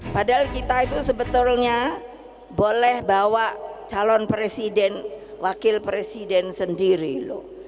padahal kita itu sebetulnya boleh bawa calon presiden wakil presiden sendiri loh